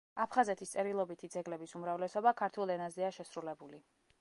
აფხაზეთის წერილობითი ძეგლების უმრავლესობა ქართულ ენაზეა შესრულებული.